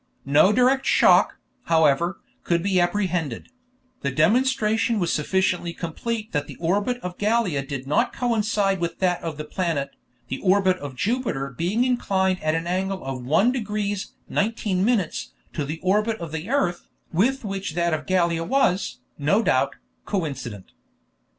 No direct shock, however, could be apprehended; the demonstration was sufficiently complete that the orbit of Gallia did not coincide with that of the planet, the orbit of Jupiter being inclined at an angle of 1 degrees 19 mins to the orbit of the earth, with which that of Gallia was, no doubt, coincident.